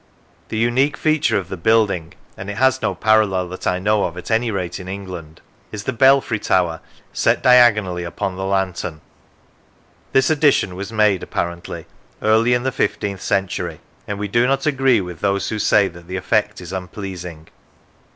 The unique feature of the building, and it has no parallel that I know of, at any rate in England, is the belfry tower set diagonally upon the lantern. This addition was made, apparently, early in the fifteenth century, and we do not agree with those who say that the effect is unpleasing.